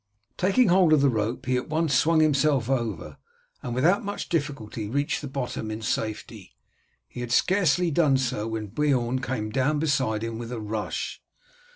Taking hold of the rope he at once swung himself over, and without much difficulty reached the bottom in safety. He had scarcely done so when Beorn came down beside him with a rush.